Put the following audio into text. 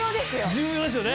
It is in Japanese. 重要ですよね！